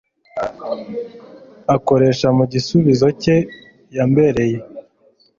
akoresha mu gisubizo cye, yabemereye